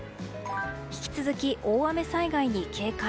引き続き、大雨災害に警戒。